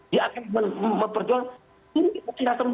dia akan memperjuang